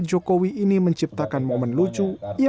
pembeli beli pegang gagal arissa